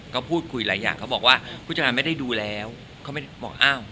ก็พูดคุยหลายอย่างเขาบอกว่าผู้จัดการไม่ได้ดูแล้วเขาไม่บอกอ้าว